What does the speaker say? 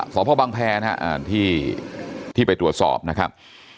สพบังแพรนะฮะที่ไปตรวจสอบนะครับ